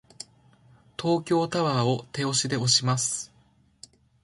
東京タワーを手押しで押します。